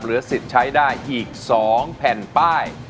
เหลือ๑๐ชัยได้อีก๒แผ่นป้าย